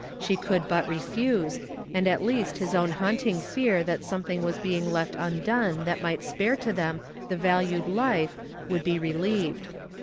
She could hut refuse, and at least his own haunting I'cai' that something was itciiig left uiiilouc that icight spare to them the vahi'.' I life wo ;) 1 he relieved.